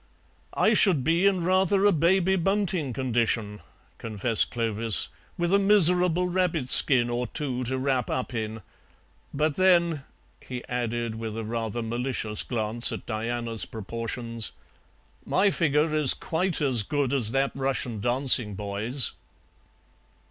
"I should be in rather a Baby Bunting condition," confessed Clovis, "with a miserable rabbit skin or two to wrap up in, but then," he added, with a rather malicious glance at Diana's proportions, "my figure is quite as good as that Russian dancing boy's."